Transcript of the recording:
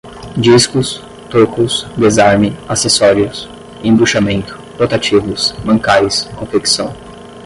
discos, tocos, desarme, acessórios, embuchamento, rotativos, mancais, confecção